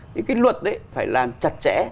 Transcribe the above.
những cái luật đấy phải làm chặt chẽ